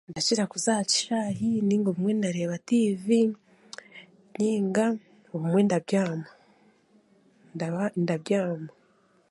Ndakira kuza aha kishaayi nainga obumwe ndeebe tiivi nainga obumwe ndabyama ndaba ndabyama